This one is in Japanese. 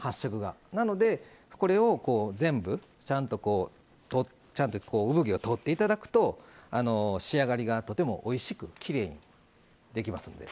なのでこれを全部ちゃんとうぶ毛を取って頂くと仕上がりがとてもおいしくきれいにできますんで。